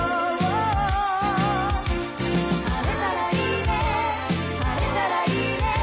「晴れたらいいね晴れたらいいね」